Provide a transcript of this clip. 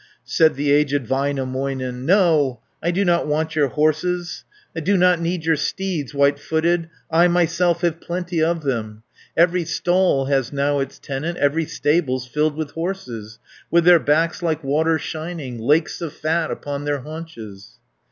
Said the aged Väinämöinen, "No, I do not want your horses; Do not need your steeds, white footed. I myself have plenty of them. 400 Every stall has now its tenant, Every stable's filled with horses, With their backs like water shining; Lakes of fat upon their haunches."